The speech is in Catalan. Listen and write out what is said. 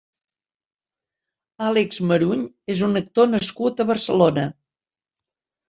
Àlex Maruny és un actor nascut a Barcelona.